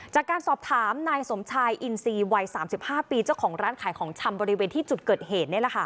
จากการสอบถามนายสมชายอินซีวัย๓๕ปีเจ้าของร้านขายของชำบริเวณที่จุดเกิดเหตุ